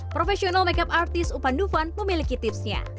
professional makeup artist upan dupan memiliki tipsnya